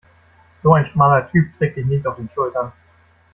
So ein schmaler Typ trägt dich nicht auf den Schultern.